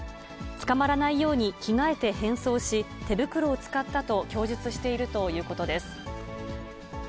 捕まらないように着替えて変装し、手袋を使ったと供述しているということです。